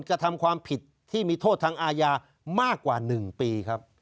กระทำความผิดที่มีโทษทางอาญามากกว่า๑ปีครับ